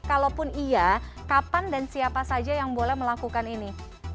kalaupun iya kapan dan siapa saja yang boleh melakukan ini